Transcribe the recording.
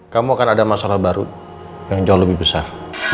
kamu akan ada masalah baru yang jauh lebih besar